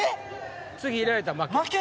次入れられたら負け。